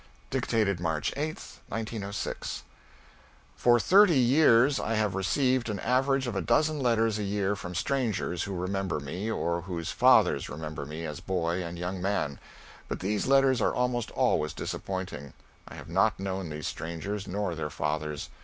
[Dictated, March 8, 1906.] For thirty years, I have received an average of a dozen letters a year from strangers who remember me, or whose fathers remember me as boy and young man. But these letters are almost always disappointing. I have not known these strangers nor their fathers.